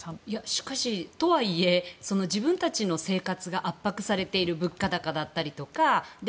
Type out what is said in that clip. しかし、とはいえ自分たちの生活が圧迫されている物価高だったりとかで。